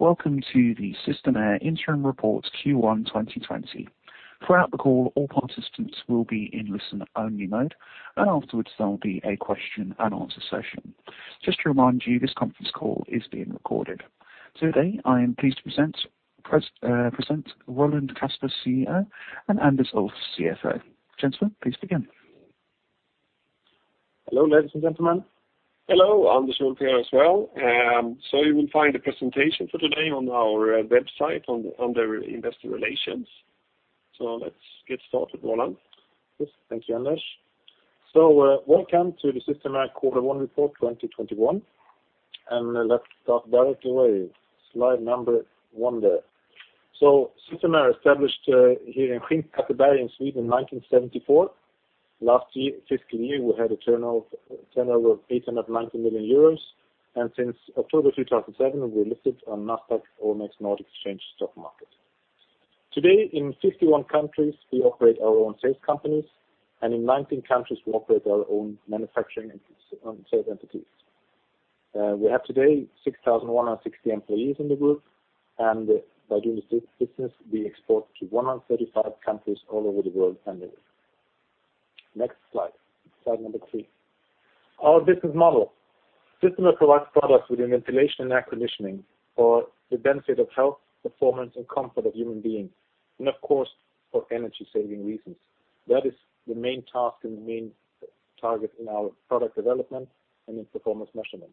Welcome to the Systemair Interim Report Q1 2020. Throughout the call, all participants will be in listen-only mode, and afterwards, there will be a question-and-answer session. Just to remind you, this conference call is being recorded. Today, I am pleased to present Roland Kasper, CEO, and Anders Ulff, CFO. Gentlemen, please begin. Hello, ladies and gentlemen. Hello, Anders and Pierre as well. So you will find a presentation for today on our website under Investor Relations. So let's get started, Roland. Yes, thank you, Anders. Welcome to the Systemair Quarter One Report 2021. Let's start directly with slide number one there. Systemair established here in Skinnskatteberg in Sweden in 1974. Last fiscal year, we had a turnover of 890 million euros, and since October 2007, we're listed on Nasdaq OMX and Nordic Exchange stock market. Today, in 51 countries, we operate our own sales companies, and in 19 countries, we operate our own manufacturing and sales entities. We have today 6,160 employees in the group, and by doing this business, we export to 135 countries all over the world annually. Next slide, slide number three. Our business model. Systemair provides products within ventilation and air conditioning for the benefit of health, performance, and comfort of human beings, and of course, for energy-saving reasons. That is the main task and the main target in our product development and in performance measurement,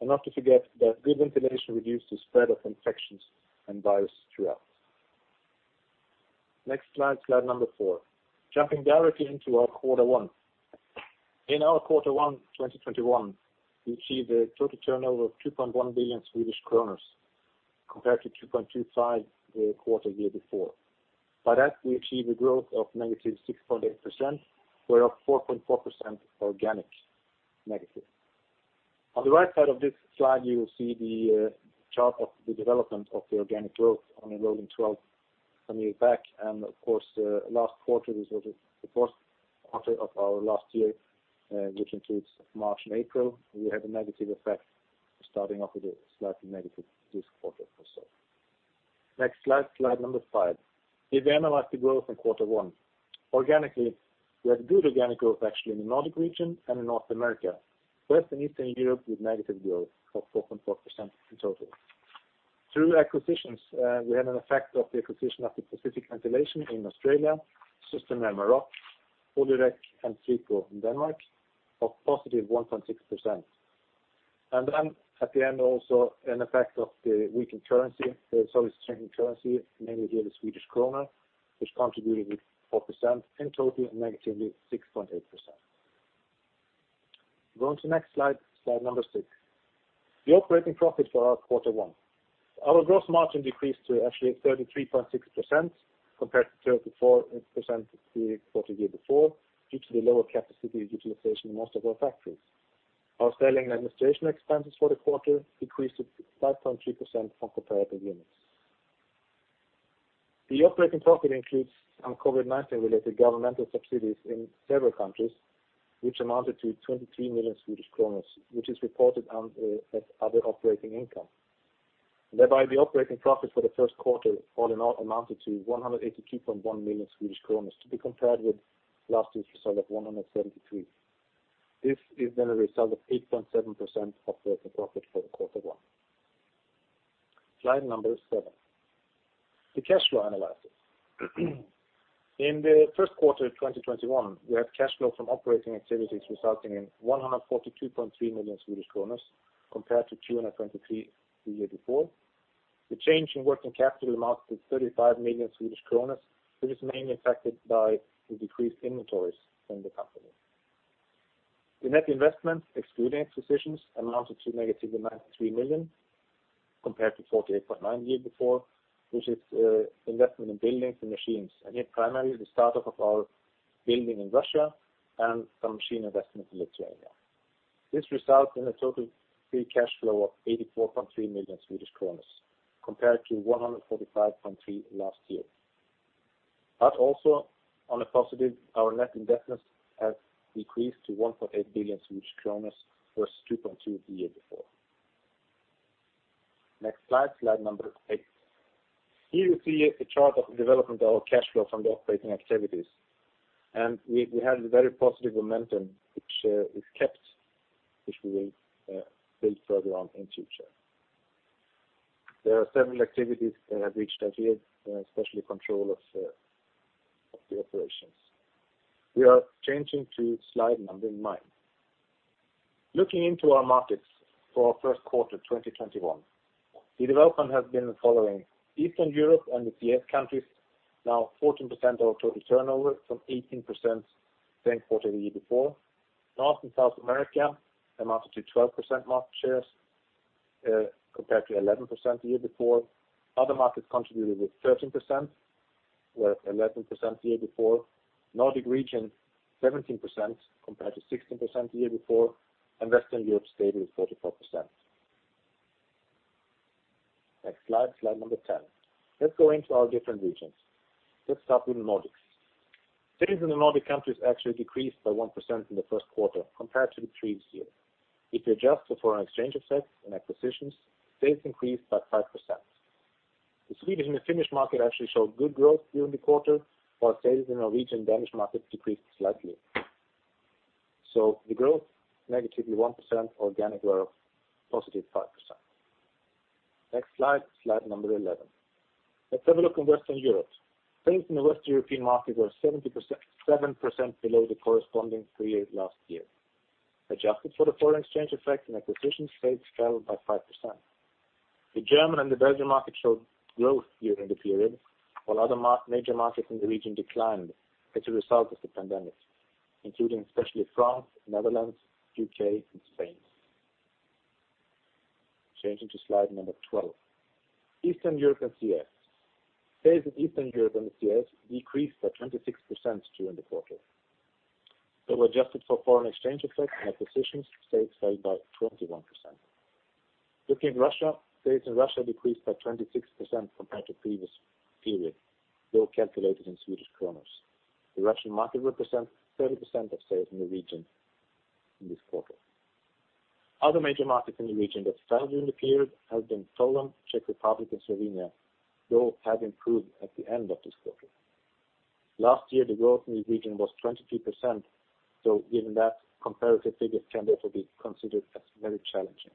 and not to forget that good ventilation reduces the spread of infections and virus throughout. Next slide, slide number four. Jumping directly into our Quarter One. In our Quarter One 2021, we achieved a total turnover of EUR 2.1 billion compared to 2.25 the quarter year before. By that, we achieved a growth of -6.8%, whereof 4.4% organic negative. On the right side of this slide, you will see the chart of the development of the organic growth on a rolling 12 some years back, and of course, last quarter was the first quarter of our last year, which includes March and April. We had a negative effect starting off with a slightly negative this quarter also. Next slide, slide number five. If we analyze the growth in Quarter One, organically, we had good organic growth actually in the Nordic region and in North America. West and Eastern Europe with negative growth of 4.4% in total. Through acquisitions, we had an effect of the acquisition of the Pacific Ventilation in Australia, Systemair Maroc, Polirek, and Sweco in Denmark of positive 1.6%. And then at the end, also an effect of the weakened currency, the euro strengthened currency, mainly here the Swedish krona, which contributed with 4% in total and negatively 6.8%. Going to the next slide, slide number six. The operating profit for our Quarter One. Our gross margin decreased to actually 33.6% compared to 34% the quarter year before due to the lower capacity utilization in most of our factories. Our selling and administration expenses for the quarter decreased to 5.3% from comparative units. The operating profit includes COVID-19-related governmental subsidies in several countries, which amounted to 23 million, which is reported as other operating income. Thereby, the operating profit for the first quarter all in all amounted to 182.1 million Swedish kronor to be compared with last year's result of 173. This is then a result of 8.7% operating profit for the Quarter One. Slide number seven. The cash flow analysis. In the first quarter of 2021, we had cash flow from operating activities resulting in 142.3 million Swedish kronor compared to 223 the year before. The change in working capital amounted to 35 million Swedish kronor, which is mainly affected by the decreased inventories in the company. The net investment, excluding acquisitions, amounted to -93 million compared to 48.9 the year before, which is investment in buildings and machines, and here primarily the startup of our building in Russia and some machine investment in Lithuania. This resulted in a total free cash flow of 84.3 million Swedish kronor compared to 145.3 last year, but also, on a positive, our net investment has decreased to 1.8 billion versus 2.2 the year before. Next slide, slide number 8. Here you see a chart of the development of our cash flow from the operating activities, and we had a very positive momentum, which is kept, which we will build further on in future. There are several activities that have reached us here, especially control of the operations. We are changing to slide number 9. Looking into our markets for our first quarter 2021, the development has been following Eastern Europe and its CIS countries, now 14% of our total turnover from 18% same quarter the year before. North and South America amounted to 12% market shares compared to 11% the year before. Other markets contributed with 13%, whereas 11% the year before. Nordic region 17% compared to 16% the year before, and Western Europe stable at 44%. Next slide, slide number ten. Let's go into our different regions. Let's start with Nordics. Sales in the Nordic countries actually decreased by 1% in the first quarter compared to the previous year. If we adjust for foreign exchange effects and acquisitions, sales increased by 5%. The Swedish and the Finnish market actually showed good growth during the quarter, while sales in the Norwegian and Danish markets decreased slightly. So the growth -1% organic, whereas positive 5%. Next slide, slide number 11. Let's have a look in Western Europe. Sales in the Western European market were 7% below the corresponding figure last year. Adjusted for the foreign exchange effects and acquisitions, sales fell by 5%. The German and the Belgian market showed growth during the period, while other major markets in the region declined as a result of the pandemic, including especially France, Netherlands, UK, and Spain. Changing to slide number 12. Eastern Europe and CIS. Sales in Eastern Europe and the CIS decreased by 26% during the quarter. Though adjusted for foreign exchange effects and acquisitions, sales fell by 21%. Looking at Russia, sales in Russia decreased by 26% compared to the previous period, though calculated in Swedish kronas. The Russian market represents 30% of sales in the region in this quarter. Other major markets in the region that fell during the period have been Poland, Czech Republic, and Slovenia, though have improved at the end of this quarter. Last year, the growth in the region was 23%, though given that, comparative figures can therefore be considered as very challenging.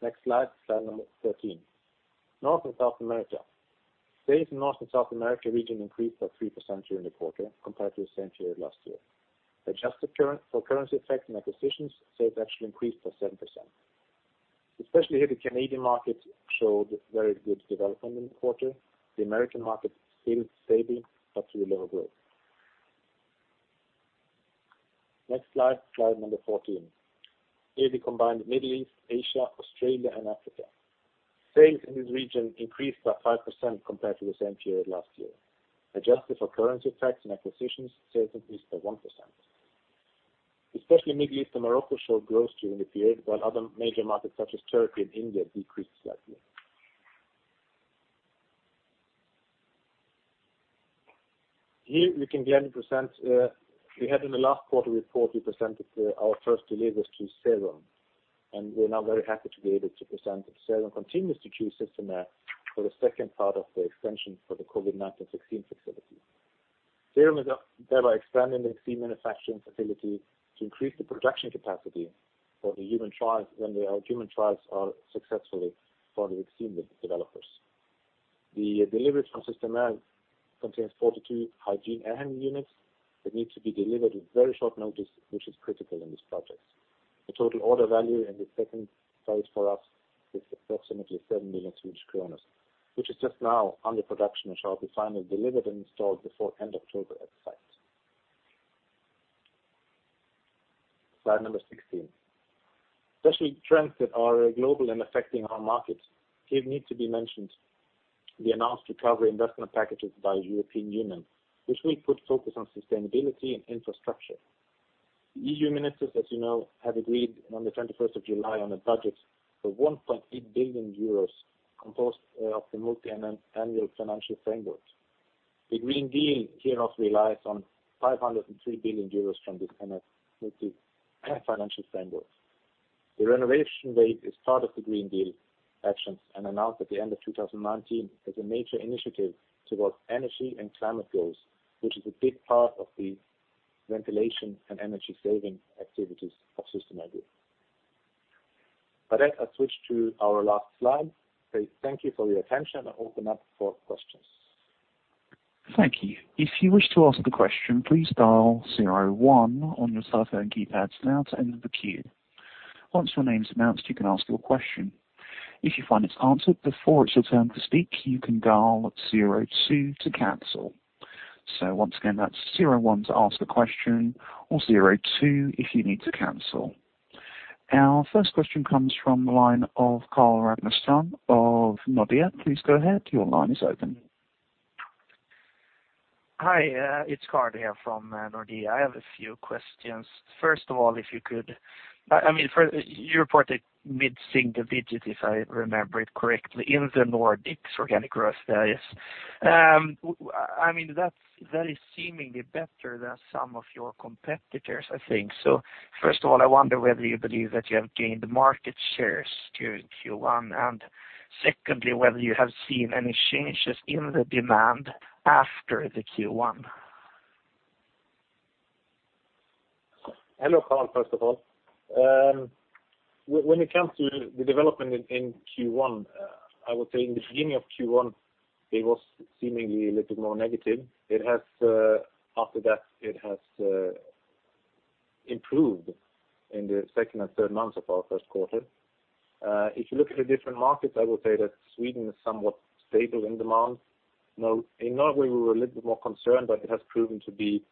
Next slide, slide number 13. North and South America. Sales in North and South America region increased by 3% during the quarter compared to the same period last year. Adjusted for currency effects and acquisitions, sales actually increased by 7%. Especially here, the Canadian market showed very good development in the quarter. The American market stayed stable, but through lower growth. Next slide, slide number 14. Here we combine the Middle East, Asia, Australia, and Africa. Sales in this region increased by 5% compared to the same period last year. Adjusted for currency effects and acquisitions, sales increased by 1%. Especially Middle East and Morocco showed growth during the period, while other major markets such as Turkey and India decreased slightly. Here we can gladly present we had in the last quarter report, we presented our first deliveries to Serum, and we're now very happy to be able to present that Serum continues to choose Systemair for the second part of the extension for the COVID-19 vaccine facility. Serum is thereby expanding the vaccine manufacturing facility to increase the production capacity for the human trials when the human trials are successfully for the vaccine developers. The delivery from Systemair contains 42 hygiene air handling units that need to be delivered with very short notice, which is critical in this project. The total order value in the second phase for us is approximately 7 million Swedish kronor, which is just now under production and shall be finally delivered and installed before end of October at the site. Slide number 16. Special trends that are global and affecting our market. Here need to be mentioned the announced recovery investment packages by European Union, which will put focus on sustainability and infrastructure. The EU ministers, as you know, have agreed on the 21st of July on a budget for 1.8 billion euros composed of the multi-annual financial framework. The Green Deal hereof relies on 503 billion euros from this multi-financial framework. The Renovation Wave is part of the Green Deal actions and announced at the end of 2019 as a major initiative towards energy and climate goals, which is a big part of the ventilation and energy saving activities of Systemair Group. By that, I switch to our last slide. Thank you for your attention, and I open up for questions. Thank you. If you wish to ask a question, please dial 01 on your cell phone keypads now to enter the queue. Once your name's announced, you can ask your question. If you find it's answered before it's your turn to speak, you can dial 02 to cancel. So once again, that's 01 to ask a question or 02 if you need to cancel. Our first question comes from the line of Carl Ragnarsson of Nordea. Please go ahead. Your line is open. Hi, it's Carl here from Nordea. I have a few questions. First of all, if you could, I mean, you reported mid-single digit, if I remember it correctly, in the Nordics organic growth values. I mean, that is seemingly better than some of your competitors, I think. So first of all, I wonder whether you believe that you have gained market shares during Q1, and secondly, whether you have seen any changes in the demand after the Q1. Hello, Carl, first of all. When it comes to the development in Q1, I would say in the beginning of Q1, it was seemingly a little bit more negative. After that, it has improved in the second and third months of our first quarter. If you look at the different markets, I would say that Sweden is somewhat stable in demand. In Norway, we were a little bit more concerned, but it has proven to be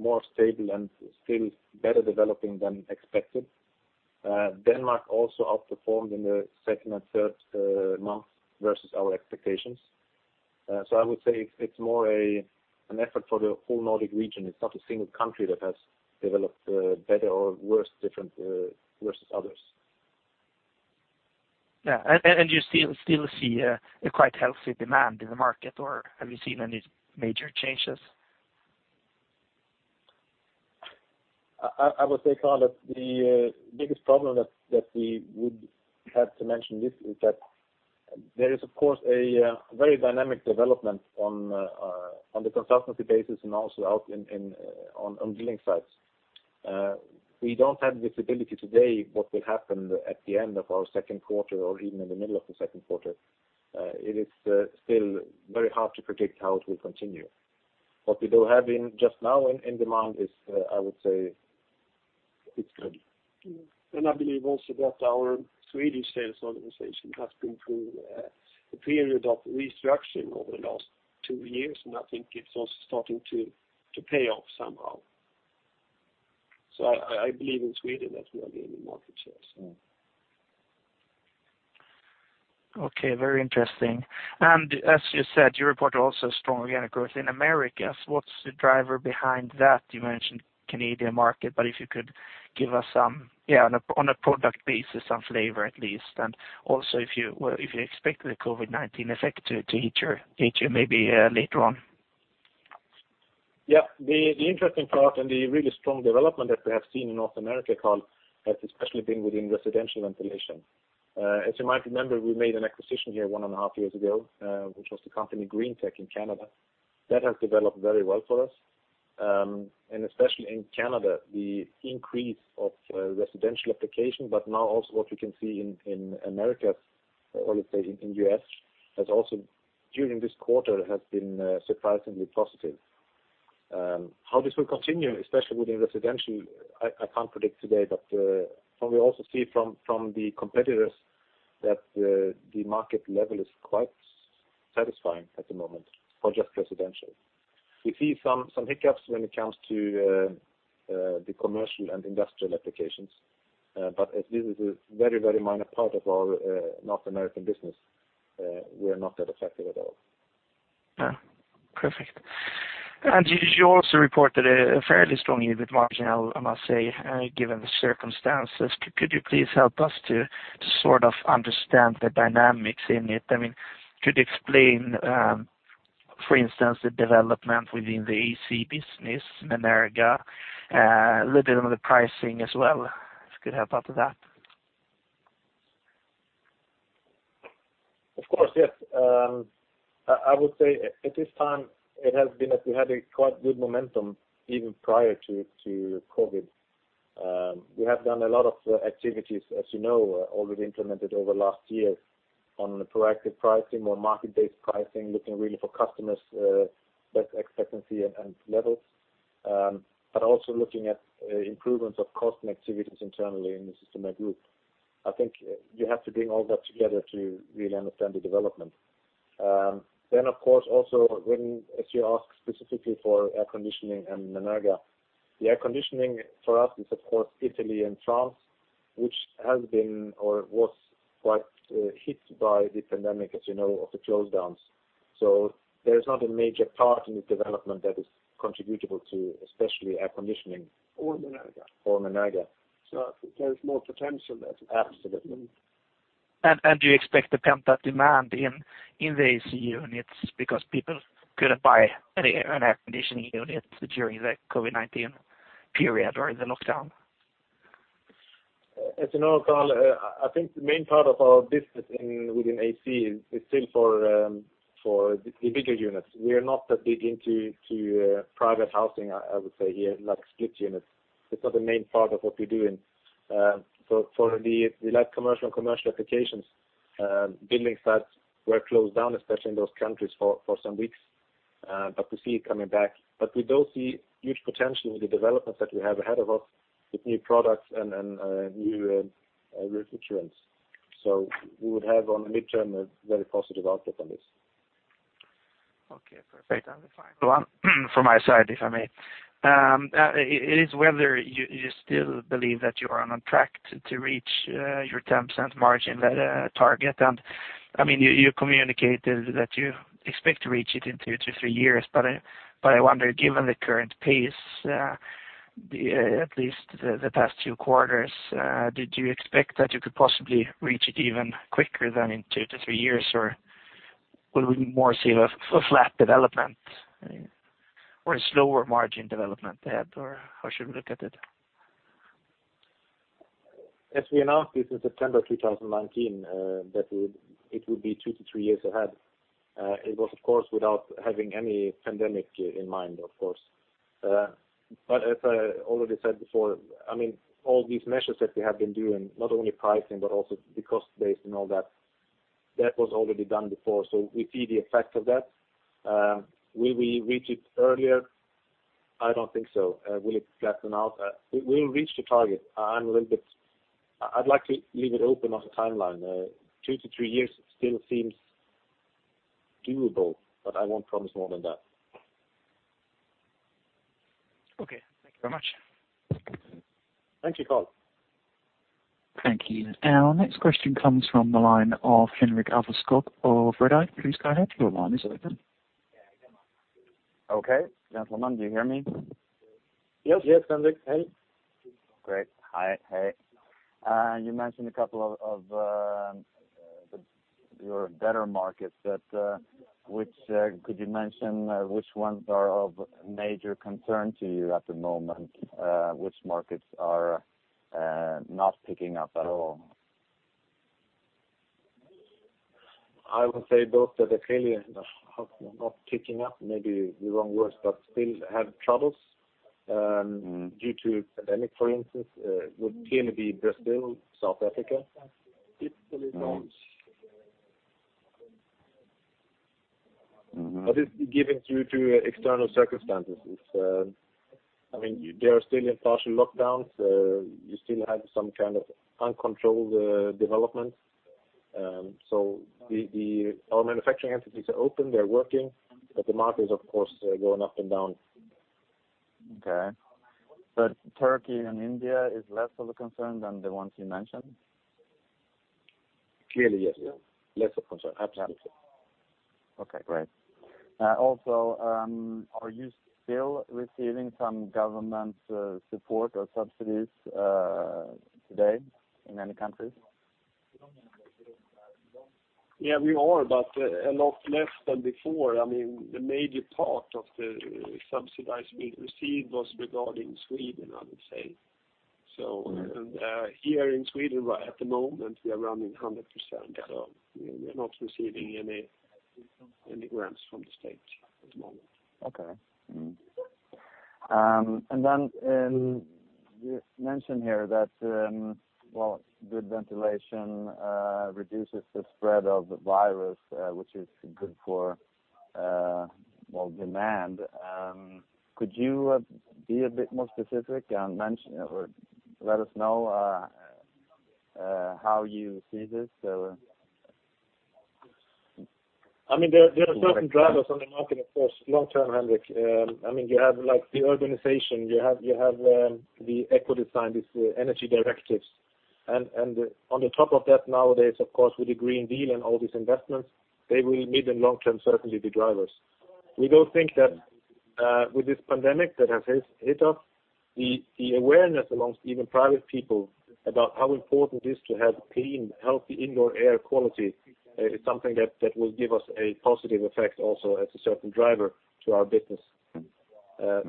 more stable and still better developing than expected. Denmark also outperformed in the second and third months versus our expectations. So I would say it's more an effort for the whole Nordic region. It's not a single country that has developed better or worse versus others. Yeah, and you still see a quite healthy demand in the market, or have you seen any major changes? I would say, Carl, that the biggest problem that we would have to mention this is that there is, of course, a very dynamic development on the consultancy basis and also out on billing sites. We don't have visibility today what will happen at the end of our second quarter or even in the middle of the second quarter. It is still very hard to predict how it will continue. What we do have just now in demand is, I would say, it's good. I believe also that our Swedish sales organization has been through a period of restructuring over the last two years, and I think it's also starting to pay off somehow. I believe in Sweden that we are gaining market shares. Okay, very interesting. And as you said, you report also strong organic growth in America. What's the driver behind that? You mentioned Canadian market, but if you could give us, yeah, on a product basis, some flavor at least, and also if you expect the COVID-19 effect to hit you maybe later on? Yeah, the interesting part and the really strong development that we have seen in North America, Carl, has especially been within residential ventilation. As you might remember, we made an acquisition here one and a half years ago, which was the company GreenTek in Canada. That has developed very well for us. And especially in Canada, the increase of residential application, but now also what we can see in America, or let's say in the US, has also during this quarter been surprisingly positive. How this will continue, especially within residential, I can't predict today, but we also see from the competitors that the market level is quite satisfying at the moment for just residential. We see some hiccups when it comes to the commercial and industrial applications, but as this is a very, very minor part of our North American business, we are not that affected at all. Yeah, perfect. And you also reported a fairly strong EBIT margin, I must say, given the circumstances. Could you please help us to sort of understand the dynamics in it? I mean, could you explain, for instance, the development within the AC business, Menerga, a little bit on the pricing as well? This could help out with that. Of course, yes. I would say at this time, it has been that we had a quite good momentum even prior to COVID. We have done a lot of activities, as you know, already implemented over last year on proactive pricing, more market-based pricing, looking really for customers' best expectations and levels, but also looking at improvements of cost and activities internally in the Systemair Group. I think you have to bring all that together to really understand the development. Then, of course, also, as you asked specifically for air conditioning and Menerga, the air conditioning for us is, of course, Italy and France, which has been or was quite hit by the pandemic, as you know, of the lockdowns. So there is not a major part in the development that is attributable to especially air conditioning. Or Menerga. Or Menerga. There's more potential there. Absolutely. And do you expect to pump that demand in the AC units because people couldn't buy an air conditioning unit during the COVID-19 period or the lockdown? As you know, Carl, I think the main part of our business within AC is still for the bigger units. We are not that big into private housing, I would say, here, like split units. It's not the main part of what we're doing. For the light commercial and commercial applications, building sites were closed down, especially in those countries, for some weeks, but we see it coming back. But we do see huge potential in the developments that we have ahead of us with new products and new refrigerants. So we would have on the midterm a very positive outlook on this. Okay, perfect. Thank you, Carl. From my side, if I may. It is whether you still believe that you are on track to reach your 10% margin target. And I mean, you communicated that you expect to reach it in two to three years, but I wonder, given the current pace, at least the past two quarters, did you expect that you could possibly reach it even quicker than in two to three years, or will we more see a flat development or a slower margin development ahead, or how should we look at it? As we announced this in September 2019, that it would be two to three years ahead. It was, of course, without having any pandemic in mind, of course. But as I already said before, I mean, all these measures that we have been doing, not only pricing but also the cost-based and all that, that was already done before. So we see the effect of that. Will we reach it earlier? I don't think so. Will it flatten out? We'll reach the target. I'm a little bit. I'd like to leave it open on the timeline. Two to three years still seems doable, but I won't promise more than that. Okay, thank you very much. Thank you, Carl. Thank you. Our next question comes from the line of Henrik Alveskog of Redeye. Please, go ahead, your line is open. Yeah, I'm on. Okay, gentlemen, do you hear me? Yes, yes, Henrik, hey. Great, hi, hey. You mentioned a couple of your better markets, but could you mention which ones are of major concern to you at the moment? Which markets are not picking up at all? I would say those that are clearly not picking up, maybe the wrong words, but still have troubles due to pandemic, for instance, would clearly be Brazil, South Africa. It still isn't. But it's given due to external circumstances. I mean, they are still in partial lockdowns. You still have some kind of uncontrolled development. So our manufacturing entities are open, they're working, but the market is, of course, going up and down. Okay. But Turkey and India is less of a concern than the ones you mentioned? Clearly, yes. Less of a concern, absolutely. Okay, great. Also, are you still receiving some government support or subsidies today in any countries? Yeah, we are, but a lot less than before. I mean, the major part of the subsidies we received was regarding Sweden, I would say. So here in Sweden, at the moment, we are running 100%. So we are not receiving any grants from the state at the moment. Okay. And then you mentioned here that, well, good ventilation reduces the spread of the virus, which is good for, well, demand. Could you be a bit more specific and let us know how you see this? I mean, there are certain drivers on the market, of course. Long term, Henrik, I mean, you have the urbanization, you have the eco design, these energy directives, and on the top of that, nowadays, of course, with the Green Deal and all these investments, they will, mid and long term, certainly be drivers. We do think that with this pandemic that has hit us, the awareness amongst even private people about how important it is to have clean, healthy indoor air quality is something that will give us a positive effect also as a certain driver to our business,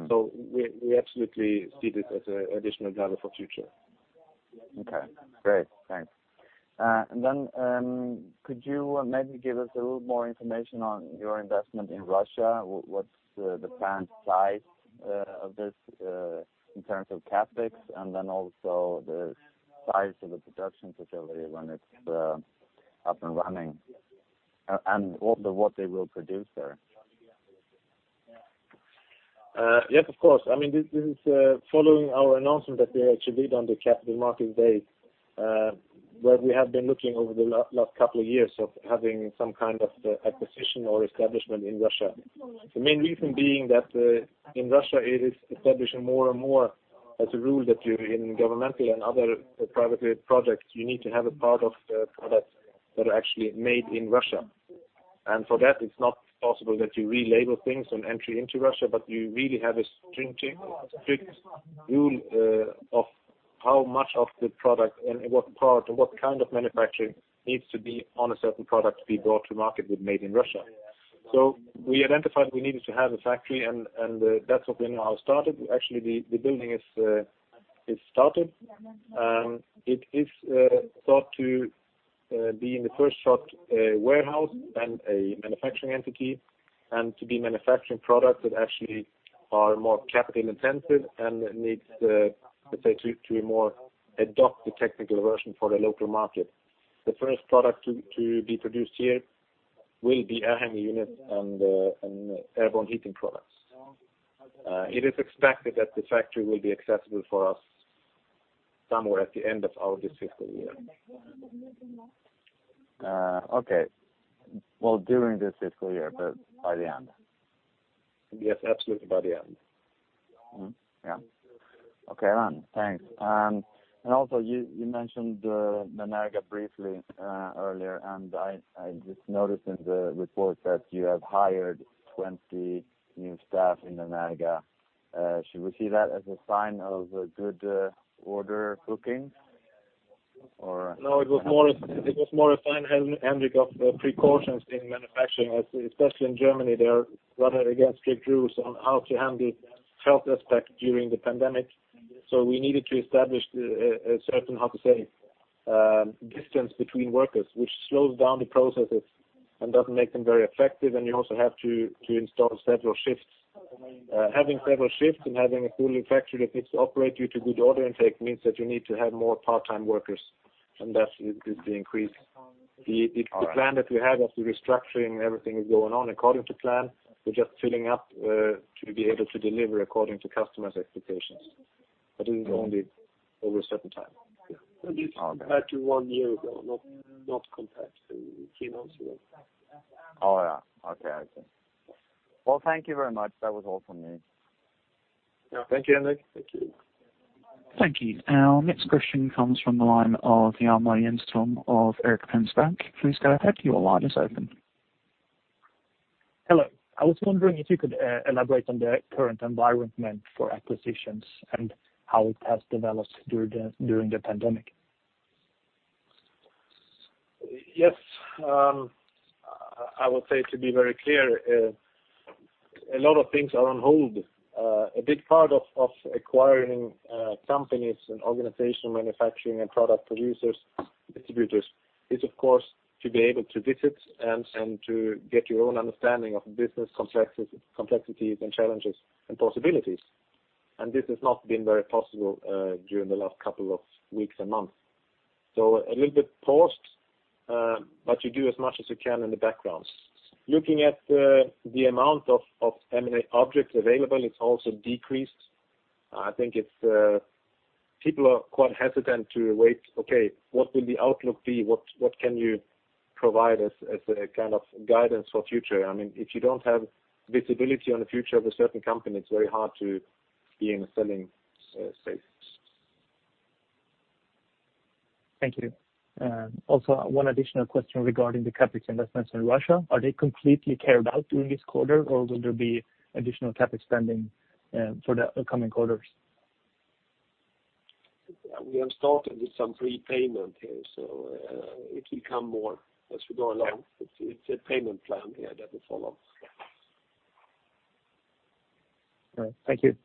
so we absolutely see this as an additional driver for the future. Okay, great. Thanks. And then could you maybe give us a little more information on your investment in Russia? What's the planned size of this in terms of CapEx and then also the size of the production facility when it's up and running and also what they will produce there? Yes, of course. I mean, this is following our announcement that we actually did on the capital market date where we have been looking over the last couple of years of having some kind of acquisition or establishment in Russia. The main reason being that in Russia, it is establishing more and more as a rule that in governmental and other private projects, you need to have a part of the products that are actually made in Russia. And for that, it's not possible that you relabel things on entry into Russia, but you really have a strict rule of how much of the product and what part and what kind of manufacturing needs to be on a certain product to be brought to market with made in Russia. So we identified we needed to have a factory, and that's what we now have started. Actually, the building is started. It is thought to be, in the first stage, a warehouse and a manufacturing entity and to be manufacturing products that actually are more capital intensive and needs, let's say, to more adapt the technical version for the local market. The first product to be produced here will be air handling units and airborne heating products. It is expected that the factory will be accessible for us somewhere at the end of this fiscal year. Okay, well, during this fiscal year, but by the end? Yes, absolutely by the end. Yeah. Okay, then. Thanks. And also, you mentioned Menerga briefly earlier, and I just noticed in the report that you have hired 20 new staff in Menerga. Should we see that as a sign of good order booking or? No, it was more a sign, Henrik, of precautions in manufacturing, especially in Germany. They're running against strict rules on how to handle health aspects during the pandemic. So we needed to establish a certain, how to say, distance between workers, which slows down the processes and doesn't make them very effective. And you also have to install several shifts. Having several shifts and having a full factory that needs to operate due to good order intake means that you need to have more part-time workers, and that is the increase. The plan that we have of the restructuring, everything is going on according to plan. We're just filling up to be able to deliver according to customers' expectations. But this is only over a certain time. This is compared to one year ago, not compared to three months ago. Oh, yeah. Okay, I see. Well, thank you very much. That was all from me. Thank you, Henrik. Thank you. Thank you. Our next question comes from the line of Jan Ihrfelt of Erik Penser Bank. Please go ahead. Your line is open. Hello. I was wondering if you could elaborate on the current environment for acquisitions and how it has developed during the pandemic? Yes. I would say to be very clear, a lot of things are on hold. A big part of acquiring companies and organizations, manufacturing and product producers, distributors, is, of course, to be able to visit and to get your own understanding of business complexities and challenges and possibilities, and this has not been very possible during the last couple of weeks and months, so a little bit paused, but you do as much as you can in the background. Looking at the amount of M&A objects available, it's also decreased. I think people are quite hesitant to wait. Okay, what will the outlook be? What can you provide as a kind of guidance for future? I mean, if you don't have visibility on the future of a certain company, it's very hard to be in a selling space. Thank you. Also, one additional question regarding the CapEx investments in Russia. Are they completely carried out during this quarter, or will there be additional CapEx spending for the coming quarters? We have started with some prepayment here, so it will come more as we go along. It's a payment plan here that will follow. All right. Thank you.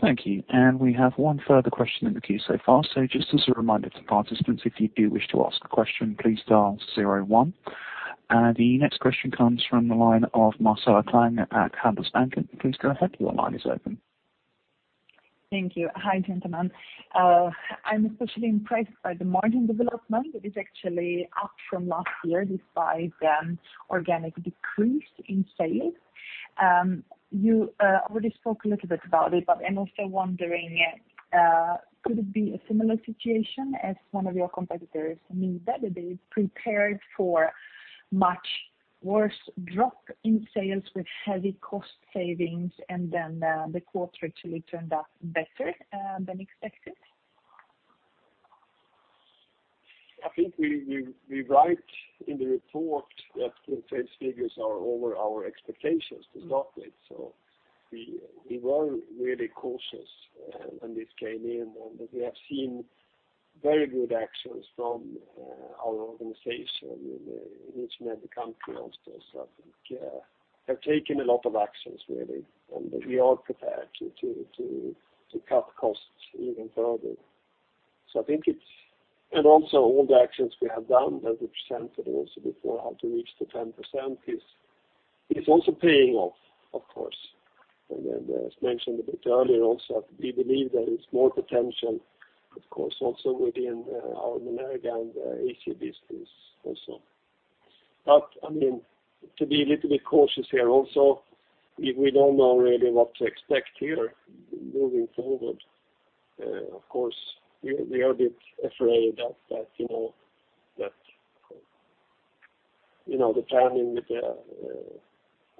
Thank you. And we have one further question in the queue so far. So just as a reminder to participants, if you do wish to ask a question, please dial 01. And the next question comes from the line of Marcela Klang at Handelsbanken. Please go ahead. Your line is open. Thank you. Hi, gentlemen. I'm especially impressed by the margin development. It is actually up from last year despite organic decrease in sales. You already spoke a little bit about it, but I'm also wondering, could it be a similar situation as one of your competitors, NIBE? They prepared for much worse drop in sales with heavy cost savings, and then the quarter actually turned out better than expected. I think we write in the report that the sales figures are over our expectations to start with. So we were really cautious when this came in, and we have seen very good actions from our organization in each and every country also. So I think they have taken a lot of actions, really, and we are prepared to cut costs even further. So I think it's—and also all the actions we have done that we presented also before how to reach the 10% is also paying off, of course. And as mentioned a bit earlier also, we believe there is more potential, of course, also within our Menerga and AC business also. But I mean, to be a little bit cautious here also, we don't know really what to expect here moving forward. Of course, we are a bit afraid that the planning with the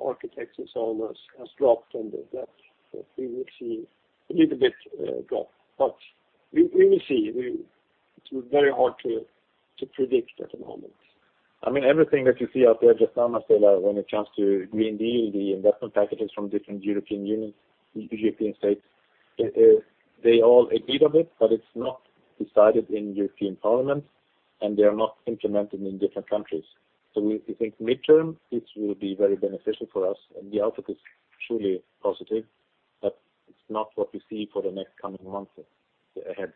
architects and so on has dropped and that we will see a little bit drop. But we will see. It will be very hard to predict at the moment. I mean, everything that you see out there, just now, Marcela, when it comes to Green Deal, the investment packages from different European states, they all agreed a bit, but it's not decided in European Parliament, and they are not implemented in different countries. So we think midterm, this will be very beneficial for us, and the outlook is surely positive, but it's not what we see for the next coming months ahead,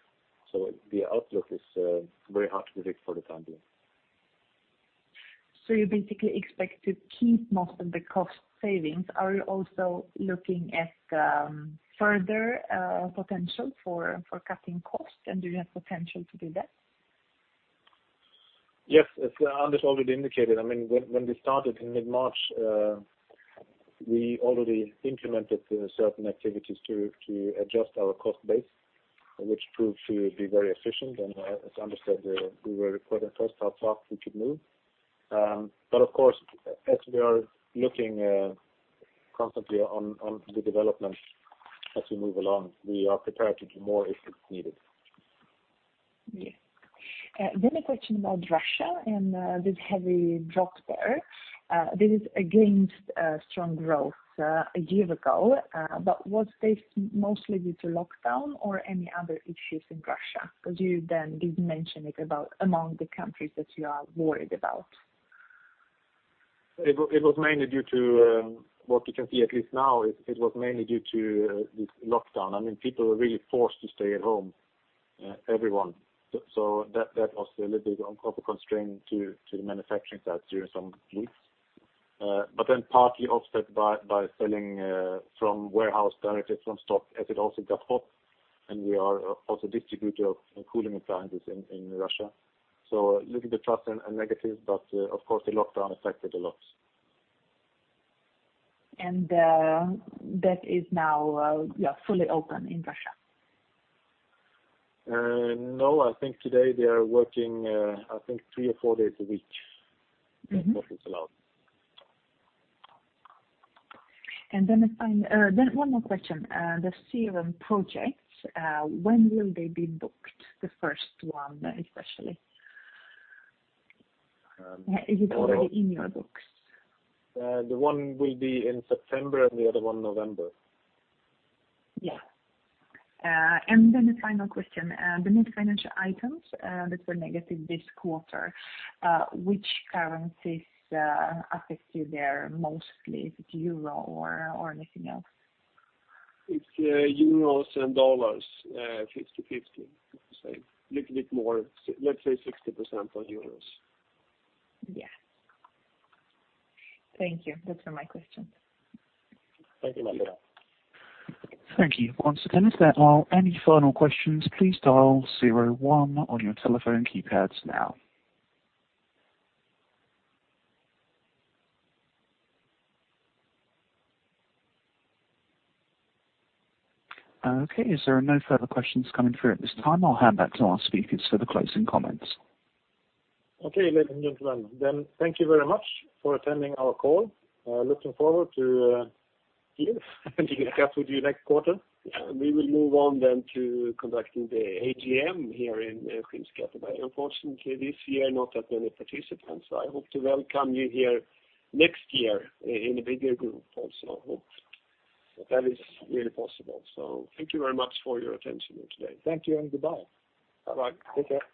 so the outlook is very hard to predict for the time being. So you basically expect to keep most of the cost savings. Are you also looking at further potential for cutting costs, and do you have potential to do that? Yes. As Anders already indicated, I mean, when we started in mid-March, we already implemented certain activities to adjust our cost base, which proved to be very efficient, and as Anders said, we were quite impressed how fast we could move, but of course, as we are looking constantly on the development as we move along, we are prepared to do more if it's needed. Yeah. Then a question about Russia and this heavy drop there. This is against strong growth a year ago, but was this mostly due to lockdown or any other issues in Russia? Because you then did mention it about among the countries that you are worried about. It was mainly due to what we can see, at least now. It was mainly due to this lockdown. I mean, people were really forced to stay at home, everyone. So that was a little bit of a constraint to the manufacturing sites during some weeks. But then partly offset by selling from warehouse directly from stock as it also got hot, and we are also distributor of cooling appliances in Russia. So a little bit plus and negative, but of course, the lockdown affected a lot. That is now fully open in Russia? No. I think today they are working, I think, three or four days a week. That's what was allowed. One more question. The CRM projects, when will they be booked, the first one especially? Is it already in your books? The one will be in September and the other one November. Yeah. And then a final question. The net financial items that were negative this quarter, which currencies affect you there mostly? Is it euro or anything else? It's euros and dollars, 50/50. Let's say a little bit more, let's say 60% on euros. Yeah. Thank you. That's all my questions. Thank you, Marcela. Thank you. Once again, if there are any final questions, please dial 01 on your telephone keypads now. Okay. Is there no further questions coming through at this time? I'll hand back to our speakers for the closing comments. Okay, ladies and gentlemen, then thank you very much for attending our call. Looking forward to being in touch with you next quarter. We will move on then to conducting the AGM here in Skinnskatteberg. Unfortunately, this year, not that many participants. I hope to welcome you here next year in a bigger group also. I hope that is really possible. So thank you very much for your attention today. Thank you and goodbye. Bye-bye. Take care.